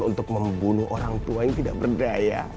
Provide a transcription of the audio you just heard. untuk membunuh orang tua yang tidak berdaya